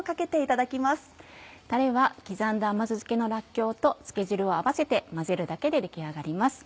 たれは刻んだ甘酢漬けのらっきょうと漬け汁を合わせて混ぜるだけで出来上がります。